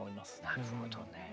なるほどね。